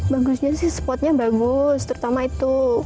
bagusnya sih spotnya bagus terutama itu